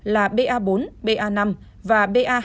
là ba bốn ba năm và ba hai nghìn một trăm hai mươi một